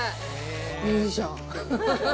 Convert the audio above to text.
いいじゃん。